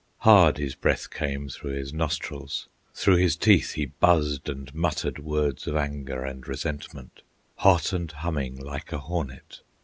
Hard his breath came through his nostrils, Through his teeth he buzzed and muttered Words of anger and resentment, Hot and humming, like a hornet.